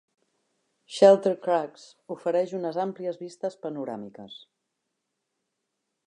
Shelter Crags ofereix unes àmplies vistes panoràmiques.